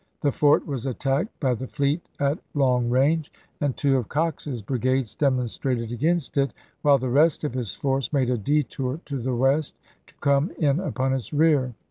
The fort was attacked by the fleet at long range ; and two of Cox's brigades demonstrated against it, while the rest of his force made a detour to the west to come in upon its rear.